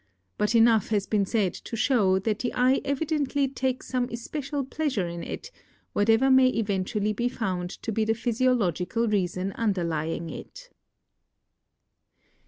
But enough has been said to show that the eye evidently takes some especial pleasure in it, whatever may eventually be found to be the physiological reason underlying it.